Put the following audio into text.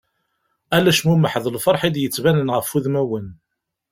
Ala acmumeḥ d lferḥ i d-yettbanen ɣef wudmaen.